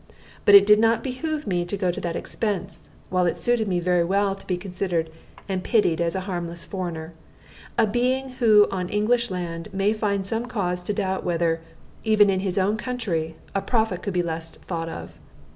But it did not behoove me to go to that expense, while it suited me very well to be considered and pitied as a harmless foreigner a being who on English land may find some cause to doubt whether, even in his own country, a prophet could be less thought of.